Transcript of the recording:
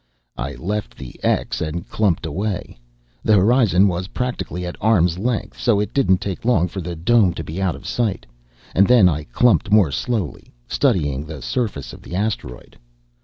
I left the X and clumped away. The horizon was practically at arm's length, so it didn't take long for the dome to be out of sight. And then I clumped more slowly, studying the surface of the asteroid.